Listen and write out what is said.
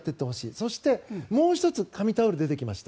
そしてもう１つ神タオルが出てきました。